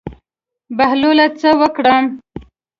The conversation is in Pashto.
بهلوله څه وکړم.